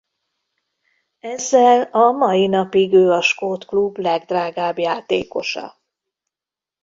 Ezzel a mai napig ő a skót klub legdrágább játékosa.